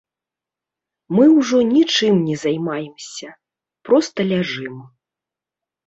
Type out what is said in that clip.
Мы ўжо нічым не займаемся, проста ляжым.